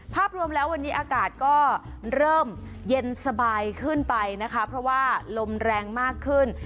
ภาพรวมแล้ววันนี้อากาศก็เริ่มเย็นสบายขึ้นไปนะคะเพราะว่าลมแรงมากขึ้น